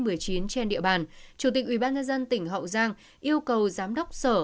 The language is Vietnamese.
covid một mươi chín trên địa bàn chủ tịch ubnd tỉnh hậu giang yêu cầu giám đốc sở